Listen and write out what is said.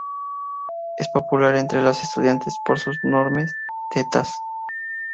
Es popular entre los estudiantes por sus enormes tetas.